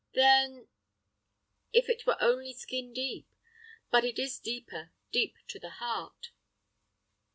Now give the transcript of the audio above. "Then—" "If it were only skin deep; but it is deeper, deep to the heart."